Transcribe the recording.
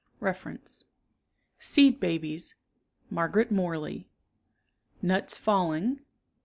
Reference: Seed Babies, Margaret Morley. Nuts Falling.